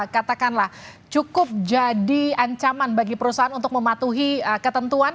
katakanlah cukup jadi ancaman bagi perusahaan untuk mematuhi ketentuan